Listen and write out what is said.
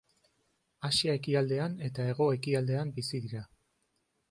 Asia ekialdean eta hego-ekialdean bizi dira.